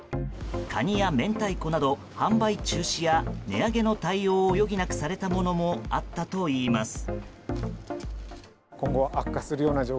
カニや明太子など販売中止や値上げの対応を余儀なくされたものもあったといいます。